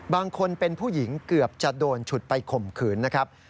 บางคนเป็นผู้หญิงเกือบจะโดนฉุดไปข่มขืนนะครับ